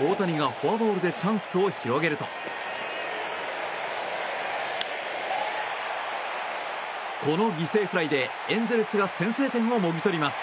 大谷がフォアボールでチャンスを広げるとｔこの犠牲フライでエンゼルスが先制点をもぎ取ります。